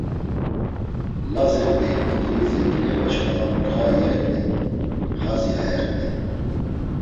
Lazirt̆eyǩoti zenginepe şǩala mutxa iyert̆ey, xazi ayert̆ey.